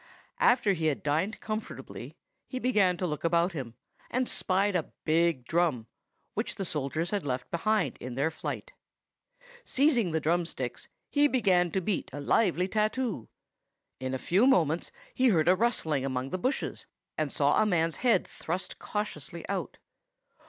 After he had dined comfortably, he began to look about him, and spied a big drum, which the soldiers had left behind in their flight. Seizing the drumsticks, he began to beat a lively tattoo. In a few moments he heard a rustling among the bushes, and saw a man's head thrust cautiously out.